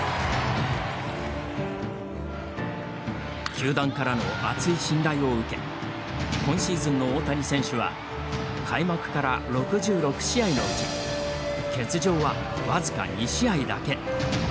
球団からの厚い信頼を受け今シーズンの大谷選手は開幕から６６試合のうち欠場は僅か２試合だけ。